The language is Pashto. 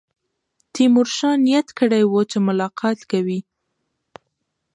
تیمورشاه نیت کړی وو چې ملاقات کوي.